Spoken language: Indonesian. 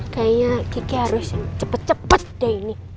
kayaknya kiki harus cepet cepet deh ini